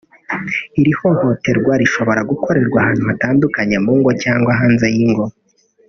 Iri hohoterwa rishobora gukorerwa ahantu hatandukanye ;mu ngo cyangwa hanze y’ingo